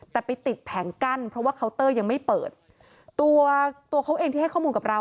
แต่ไปติดแผงกั้นเพราะว่าเคาน์เตอร์ยังไม่เปิดตัวตัวเขาเองที่ให้ข้อมูลกับเรา